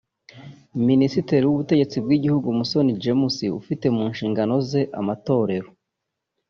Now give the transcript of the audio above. Minisitiri w’Ubutegetsi bw’Igihugu Musoni James ufite mu nshingano ze amotorero